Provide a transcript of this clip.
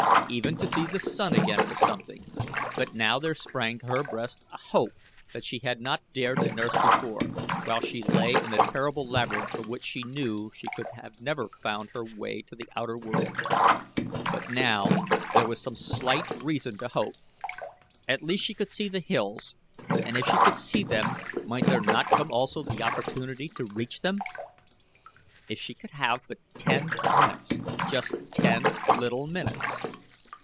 Even to see the sun again was something, but now there sprang to her breast a hope that she had not dared to nurse before, while she lay in the terrible labyrinth from which she knew she could never have found her way to the outer world; but now there was some slight reason to hope. At least she could see the hills and if she could see them might there not come also the opportunity to reach them? If she could have but ten minutes just ten little minutes!